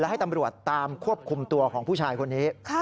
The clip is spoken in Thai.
ให้ตำรวจตามควบคุมตัวของผู้ชายคนนี้